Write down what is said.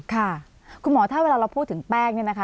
ค่ะคุณหมอถ้าเวลาเราพูดถึงแป้งเนี่ยนะคะ